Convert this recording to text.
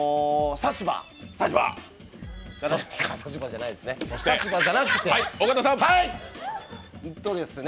差し歯じゃないですね。